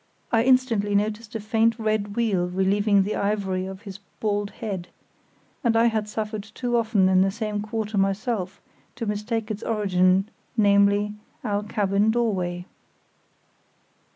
I instantly noticed a faint red weal relieving the ivory of his bald head; and I had suffered too often in the same quarter myself to mistake its origin, namely, our cabin doorway.